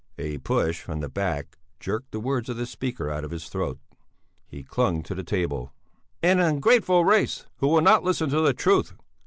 A push from the back jerked the words of the speaker out of his throat. He clung to the table: "And an ungrateful race who will not listen to the truth...."